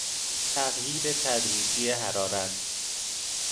تغییر تدریجی حرارت